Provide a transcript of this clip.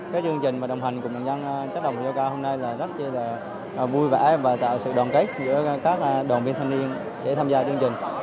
các chương trình đồng hành cùng nạn nhân chất độc da cam hôm nay rất vui vẻ và tạo sự đoàn kết giữa các đồng viên thanh niên để tham gia chương trình